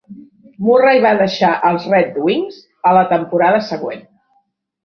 Murray va deixar els Red Wings a la temporada següent.